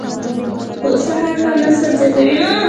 پسه هر کال نسل زیاتوي.